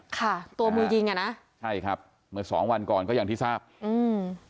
ค่ะตัวมือยิงอ่ะนะใช่ครับเมื่อสองวันก่อนก็อย่างที่ทราบอืม